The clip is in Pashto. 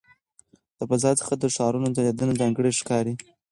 د فضا څخه د ښارونو ځلېدنه ځانګړې ښکاري.